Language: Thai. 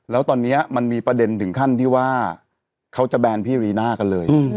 แล้วตอนนี้มันมีประเด็นถึงขั้นที่ว่าเขาจะแบนพี่รีน่ากันเลย